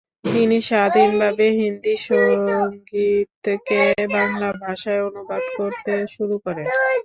তিনি স্বাধীনভাবে হিন্দী সঙ্গীতকে বাংলা ভাষায় অনুবাদ করতে শুরু করেন।